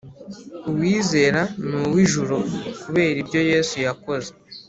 Uwizera ni uw’ Ijuru, kubera ibyo Yesu yakoze,